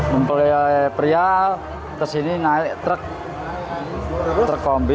mempunyai pria kesini naik truk truk kombi